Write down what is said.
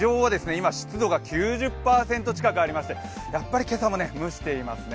今湿度が９０％近くありまして今朝も蒸していますね。